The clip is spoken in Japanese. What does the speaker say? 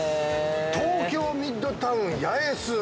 東京ミッドタウン八重洲。